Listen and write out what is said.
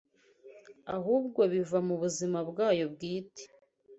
ahubwo biva mubuzima bwacyo bwite